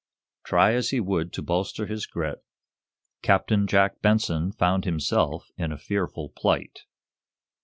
Try as he would to bolster his grit, Captain Jack Benson found himself in a fearful plight.